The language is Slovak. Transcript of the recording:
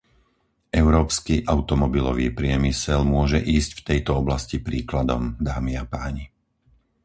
Európsky automobilový priemysel môže ísť v tejto oblasti príkladom, dámy a páni.